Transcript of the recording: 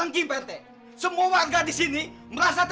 ampun deh si agung itu